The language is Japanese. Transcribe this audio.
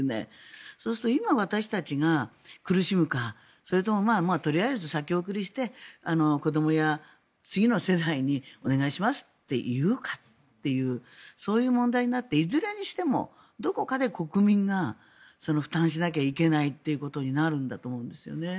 そうすると今、私たちが苦しむかそれともとりあえず先送りして子どもや次の世代にお願いしますって言うかっていうそういう問題になっていずれにしてもどこかで国民が負担しなきゃいけないということになるんだと思うんですよね。